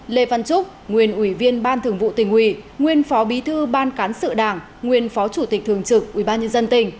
lê văn trúc nguyên ủy viên ban thường vụ tỉnh ủy nguyên phó bí thư ban cán sự đảng nguyên phó chủ tịch thường trực ubnd tỉnh